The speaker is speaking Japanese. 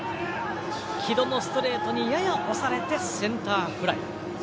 城戸のストレートにやや押されてセンターフライ。